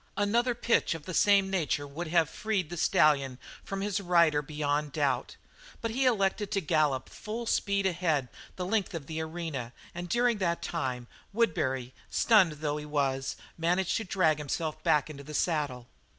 Another pitch of the same nature would have freed the stallion from his rider beyond doubt, but he elected to gallop full speed ahead the length of the arena, and during that time, Woodbury, stunned though he was, managed to drag himself back into the saddle.